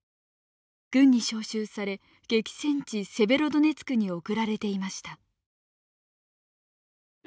軍に招集され激戦地セベロドネツクに送られていました。